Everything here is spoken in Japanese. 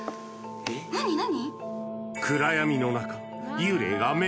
何何？